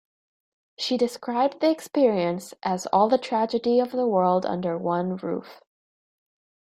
She described the experience as all the tragedy of the world under one roof.